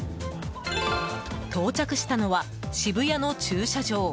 到着したのは、渋谷の駐車場。